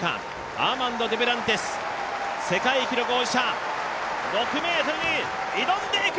アーマンド・デュプランティス、世界記録保持者、６ｍに挑んでいく。